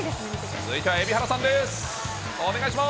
続いては蛯原さんです。